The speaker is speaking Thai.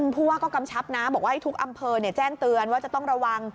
ผู้ว่าก็กำชับนะบอกว่าให้ทุกอำเภอแจ้งเตือนว่าจะต้องระวัง